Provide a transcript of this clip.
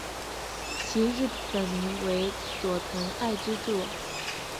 其日本名为佐藤爱之助。